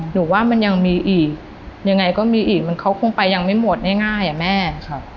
หนูว่ามันยังมีอีกยังไงก็มีอีกมันเขาคงไปยังไม่หมดง่ายอะแม่